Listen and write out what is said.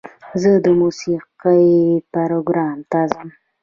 زه د موسیقۍ پروګرام ته ځم.